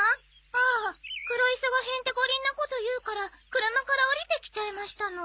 ああ黒磯がへんてこりんなこと言うから車から降りてきちゃいましたの。